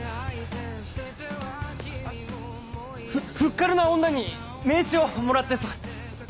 フッ軽な女に名刺をもらってさ。